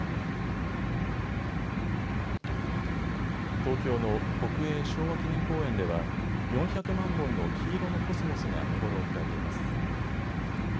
東京の国営昭和記念公園では４００万本の黄色のコスモスが見頃を迎えています。